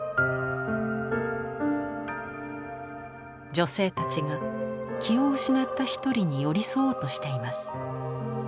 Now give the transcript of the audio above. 女性たちが気を失った一人に寄り添おうとしています。